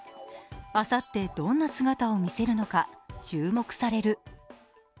あさって、どんな姿を見せるのか、注目される。